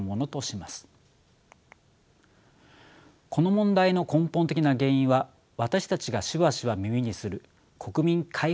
この問題の根本的な原因は私たちがしばしば耳にする国民皆保険にあります。